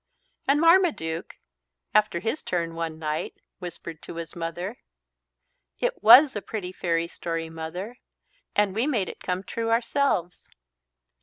And Marmaduke, after his turn one night, whispered to his mother "It was a pretty fairy story, Mother. And we made it come true ourselves."